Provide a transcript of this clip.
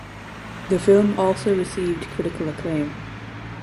The film also received critical acclaim.